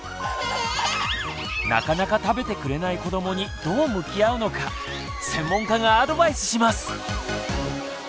なかなか食べてくれない子どもにどう向き合うのか専門家がアドバイスします。